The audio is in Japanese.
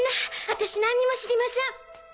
私何にも知りません！